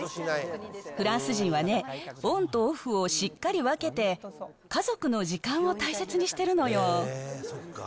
フランス人はね、オンとオフをしっかり分けて、家族の時間を大切にしてるのよ。